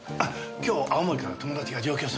今日青森から友達が上京するんで。